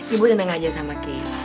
ibu tenang aja sama ki